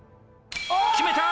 決めた！